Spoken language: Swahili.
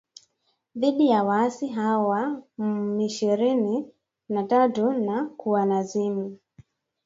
dhidi ya waasi hao wa M ishirini na tatu na kuwalazimu